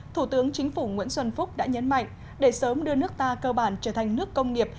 thủ tướng chính phủ nguyễn xuân phúc đã nhấn mạnh để sớm đưa nước ta cơ bản trở thành nước công nghiệp